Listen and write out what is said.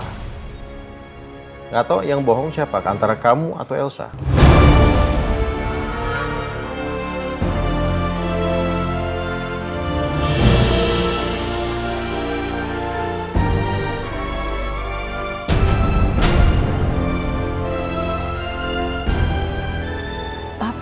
hai atau yang bohong siapa ke antara kamu atau siapa yang menembakmu